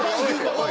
おい